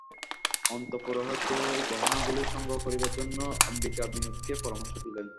অন্তঃপুরে হইতে গহনাগুলি সংগ্রহ করিবার জন্য অম্বিকা বিনোদকে পরামর্শ দিলেন।